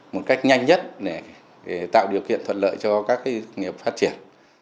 một cách nhanh nhất để tạo điều kiện thuận lợi cho các nghiệp phát triển